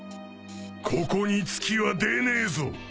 ここに月は出ねえぞ。